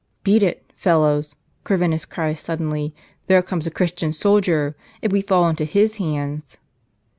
"Beat it, fellows!" Corvinus cries suddenly. "There comes a Christian soldier. If we fall into his hands